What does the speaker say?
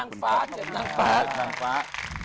นางฟ้า๗นางฟ้า